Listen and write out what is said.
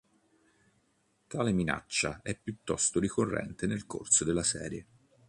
Tale minaccia è piuttosto ricorrente nel corso della serie.